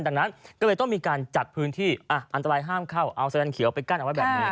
ดังนั้นก็เลยต้องมีการจัดพื้นที่อันตรายห้ามเข้าเอาสแลนเขียวไปกั้นเอาไว้แบบนี้